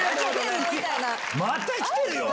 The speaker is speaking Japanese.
また来てるよ！